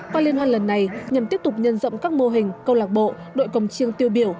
qua liên hoan lần này nhằm tiếp tục nhân rộng các mô hình câu lạc bộ đội cổng chiêng tiêu biểu